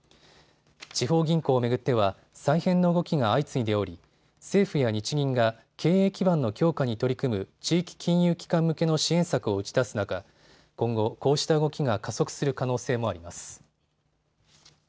地方銀行を巡っては再編の動きが相次いでおり政府や日銀が経営基盤の強化に取り組む地域金融機関向けの支援策を打ち出す中、今後、こうした動きが加速する可能性もあります。